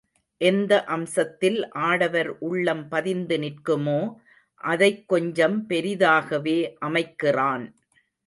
எந்த அம்சத்தில் ஆடவர் உள்ளம் பதிந்து நிற்குமோ அதைக் கொஞ்சம் பெரிதாகவே அமைக்கிறான்.